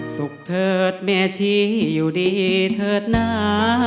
สุขเถิดแม่ชีอยู่ดีเถิดหนา